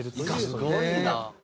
すごいな。